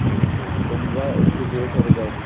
তোমরা একটু দূরে সরে যাও।